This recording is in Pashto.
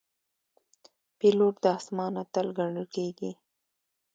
پیلوټ د آسمان اتل ګڼل کېږي.